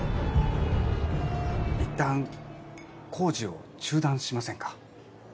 いったん工事を中断しませんか？